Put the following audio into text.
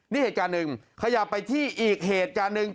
นี่เหตุการณ์หนึ่งขยับไปที่อีกเหตุการณ์หนึ่ง